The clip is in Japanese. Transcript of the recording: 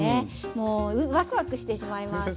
もうワクワクしてしまいますはい。